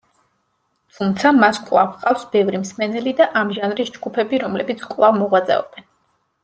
თუმცა, მას კვლავ ჰყავს ბევრი მსმენელი და ამ ჟანრის ჯგუფები, რომლებიც კვლავ მოღვაწეობენ.